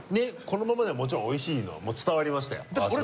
このままでももちろんおいしいのは伝わりましたよ。